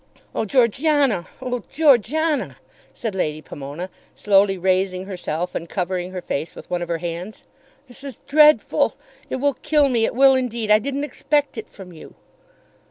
"Oh, Georgiana; oh, Georgiana!" said Lady Pomona, slowly raising herself and covering her face with one of her hands. "This is dreadful. It will kill me. It will indeed. I didn't expect it from you."